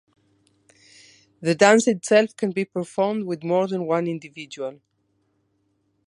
The dance itself can be performed with more than one individual.